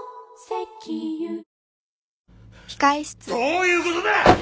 どういうことだ！